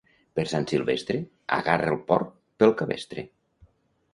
Per Sant Silvestre agarra el porc pel cabestre.